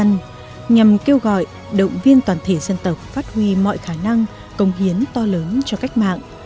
nhằm kêu gọi động viên toàn thể dân tộc phát huy mọi khả năng công hiến to lớn cho cách mạng